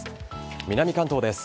南関東です。